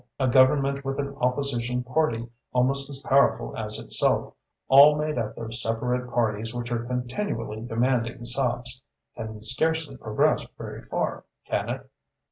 A Government with an Opposition Party almost as powerful as itself, all made up of separate parties which are continually demanding sops, can scarcely progress very far, can it?"